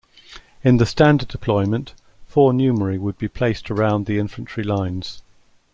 In the standard deployment, four Numeri would be placed around the infantry lines.